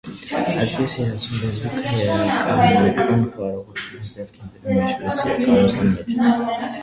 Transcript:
Այդպես երազում լեզվի քերականական կարողությունները ձեռք են բերվում «ինչպես իրականության մեջ»։